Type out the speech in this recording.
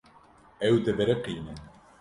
Ew dibiriqînin.